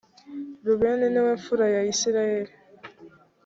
rubeni ni we mfura ya israheli.